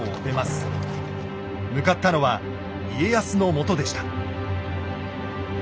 向かったのは家康のもとでした。